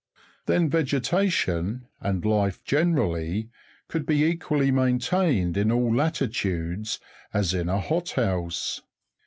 Then vegetation, and life generally, could be as equally maintained in all latitudes as in a hot house.